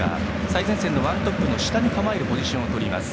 最前線のワントップの下に構えるポジションをとります。